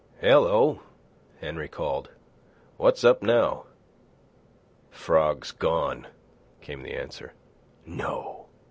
"Hello!" Henry called. "What's up now?" "Frog's gone," came the answer. "No."